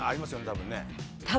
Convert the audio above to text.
多分ね。